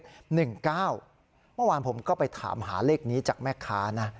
เมื่อวานผมก็ไปถามหาเลขนี้จากแม่ค้านะ